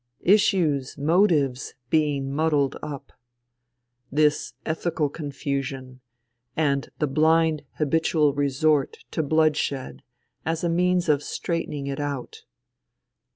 Issues, motives being muddled up. This ethical confusion, and the bhnd habitual resort to bloodshed as a means of straightening it out.